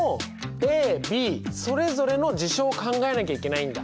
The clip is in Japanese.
ＡＢそれぞれの事象を考えなきゃいけないんだ。